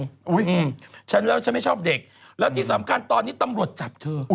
อุ้ยฉันแล้วฉันไม่ชอบเด็กแล้วที่สำคัญตอนนี้ตำรวจจับเธอ